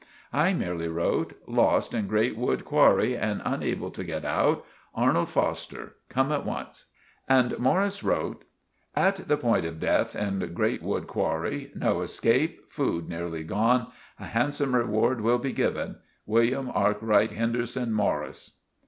I merely wrote— "Lost in Grate Wood Qwarry and unable to get out. Arnold Foster. Come at once." And Morris wrote— "At the point of deth in Grate Wood Qwarry. No eskape. Food neerly done. A handsome reward will be given. William Arkwright Henderson Morris."